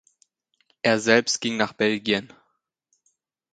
Er selbst ging nach Belgien.